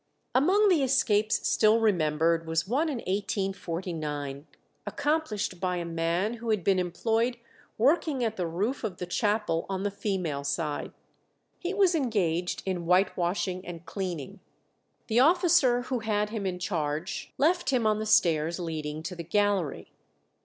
Among the escapes still remembered was one in 1849, accomplished by a man who had been employed working at the roof of the chapel on the female side. He was engaged in whitewashing and cleaning; the officer who had him in charge left him on the stairs leading to the gallery.